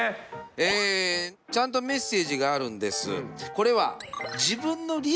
えちゃんとメッセージがあるんです。